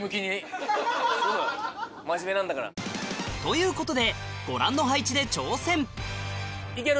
そう真面目なんだから。ということでご覧の配置で挑戦いける？